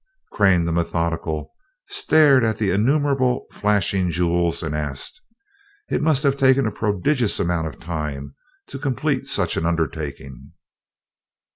Crane, the methodical, stared at the innumerable flashing jewels and asked, "It must have taken a prodigious amount of time to complete such an undertaking?"